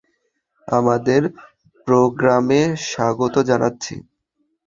আমাদের প্রোগ্রামে স্বাগত জানাচ্ছি!